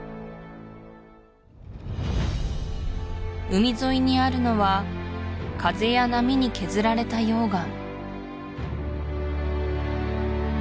海沿いにあるのは風や波に削られた溶岩